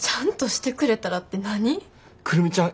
久留美ちゃん